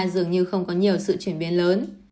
dường như không có nhiều sự chuyển biến lớn